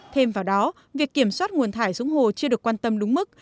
thêm vào đó việc kiểm soát nguồn thải xuống hồ chưa được quan tâm đúng mức